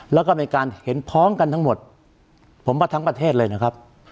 แล้วก็มีการเห็นพ้องกันทั้งหมดผมว่าทั้งประเทศเลยนะครับ